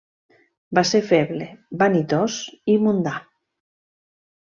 Va ser feble, vanitós i mundà.